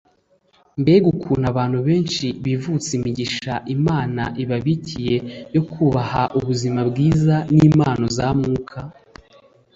mbega ukuntu abantu benshi bivutsa imigisha imana ibabikiye yo kubaha ubuzima bwiza n'impano za mwuka